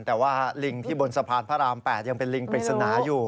แต่ว่าลิงที่บนสะพานพระราม๘ยังเป็นลิงปริศนาอยู่